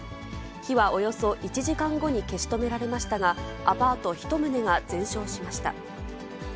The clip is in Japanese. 火はおよそ１時間後に消し止められましたが、アパート１棟が全焼しました。